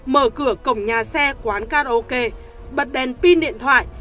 mở cửa cổng nhà xe quán karaoke bật đèn pin điện thoại